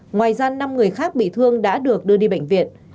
ngoài ra năm người khác bị thương đã được đưa đi bệnh viện